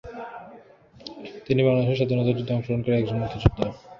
তিনি বাংলাদেশের স্বাধীনতা যুদ্ধে অংশগ্রহণকারী একজন মুক্তিযোদ্ধা।